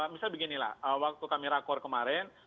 misalnya beginilah waktu kami rakor kemarin